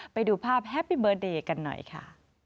ไปดูภาพแฮปปี้เบอร์เดย์กันหน่อยค่ะ